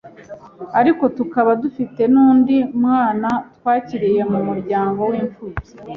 Ariko tukaba dufite n’undi mwana twakiriye mu muryango w’imfubyi,